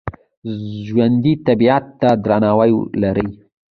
ژوندي طبیعت ته درناوی لري